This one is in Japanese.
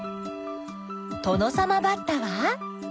トノサマバッタは？